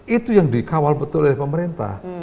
itu yang dikawal betul oleh pemerintah